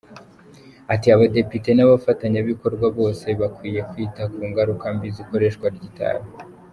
Ati “Abadepite n’abafatanyabikorwa bose bakwiye kwita ku ngaruka mbi z’ikoreshwa ry’itabi.